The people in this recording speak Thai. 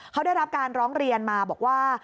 เขาได้รับการร้องเรียนมาบอกว่า